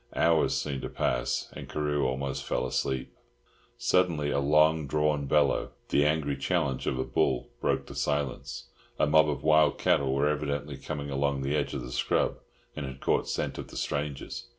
Hours seemed to pass, and Carew almost fell asleep. Suddenly a long drawn bellow, the angry challenge of a bull, broke the silence. A mob of wild cattle were evidently coming along the edge of the scrub, and had caught scent of the strangers.